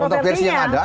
kontroversi yang ada